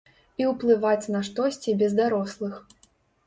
І ўплываць на штосьці без дарослых.